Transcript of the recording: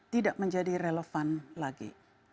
tidak menjadi relevan lagi